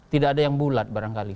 tidak ada yang bulat barangkali